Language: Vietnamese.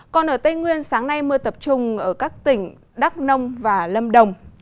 còn ở tây nguyên sáng nay mưa tập trung ở các tỉnh đắk nông và lâm đồng